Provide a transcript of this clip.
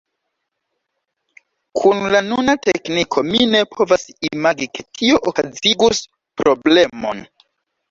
Kun la nuna tekniko, mi ne povas imagi, ke tio okazigus problemon!